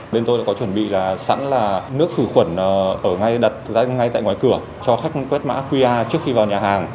bên tôi đã có chuẩn bị là sẵn là nước khử khuẩn ở ngay đặt đặt ngay tại ngoài cửa cho khách quét mã qr trước khi vào nhà hàng